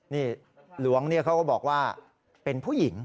นี่หลวงเขาก็บอกว่าเป็นผู้หญิง